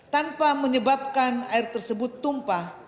tanpa menyebabkan air tersebut tumpah